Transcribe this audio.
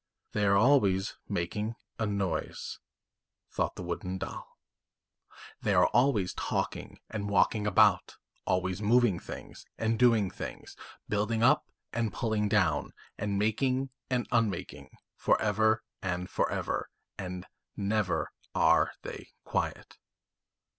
"They are always making a noise," thought the wooden doll; "they are always talking and walking about, always moving things and doing things, building up and pulling down, and making and unmaking for ever and for ever, and never are they quiet.